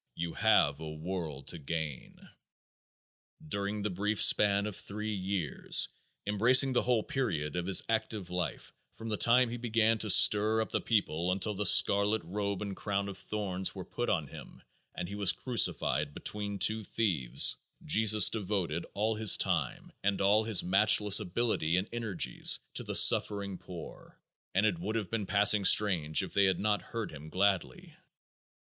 You have a world to gain._" During the brief span of three years, embracing the whole period of his active life, from the time he began to stir up the people until "the scarlet robe and crown of thorns were put on him and he was crucified between two thieves," Jesus devoted all his time and all his matchless ability and energies to the suffering poor, and it would have been passing strange if they had not "heard him gladly."